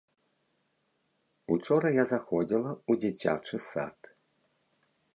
Учора я заходзіла ў дзіцячы сад.